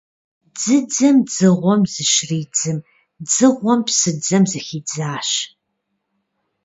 Дзыдзэм дзыгъуэм зыщридзым, дзыгъуэм псыдзэм зыхидзащ,.